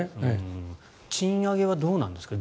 賃上げはどうなんですか？